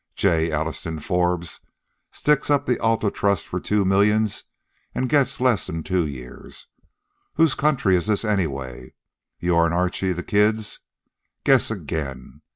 J. Alliston Forbes sticks up the Alta Trust for two millions en' gets less'n two years. Who's country is this anyway? Yourn an' Archie the Kid's? Guess again.